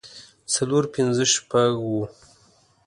څلور پنځۀ شپږ اووه